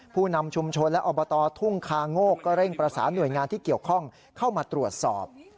ผู้นำชุมชนและอบตทุ่งคาโงกก็เร่งประสานหน่วยงานที่เกี่ยวข้องเข้ามาตรวจสอบ